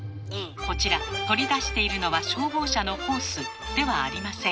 こちら取り出しているのは消防車のホースではありません。